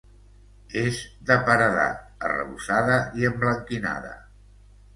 És de paredat, arrebossada i emblanquinada.